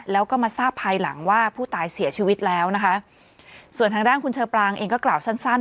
แล้วก็มาทราบภายหลังว่าผู้ตายเสียชีวิตแล้วนะคะส่วนทางด้านคุณเชอปรางเองก็กล่าวสั้นสั้น